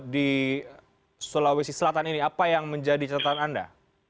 di sulawesi selatan ini apa yang menjadi catatan anda